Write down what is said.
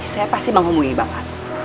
saya pasti menghumui bapak